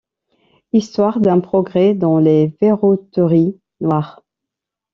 Histoire d’un progrès dans les verroteries noires